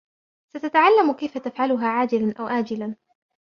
ستتعلم كيف تفعلها عاجلًا أو آجلًا.